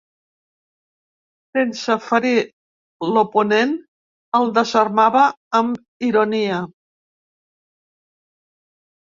Sense ferir l’oponent, el desarmava amb ironia.